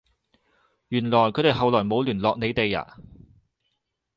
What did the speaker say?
原來佢哋後來冇聯絡你哋呀？